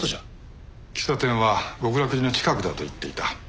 喫茶店は極楽寺の近くだと言っていた。